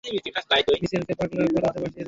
মিশেলকে পাগলা গারদে পাঠিয়ে দেবে?